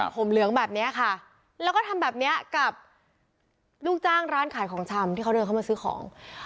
ผมเหลืองแบบนี้ค่ะแล้วก็ทำแบบเนี้ยกับลูกจ้างร้านขายของชำที่เขาเดินเข้ามาซื้อของ